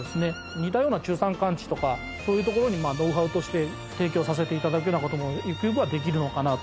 似たような中山間地とかそういうところにノウハウとして提供させていただくようなこともゆくゆくはできるのかなと。